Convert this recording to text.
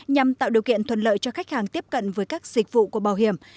nhằm tạo điều kiện thuận lợi cho khách hàng tiếp cận với các dịch vụ của bảo hiểm